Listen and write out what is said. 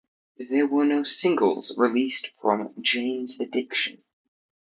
There were no singles released from "Jane's Addiction".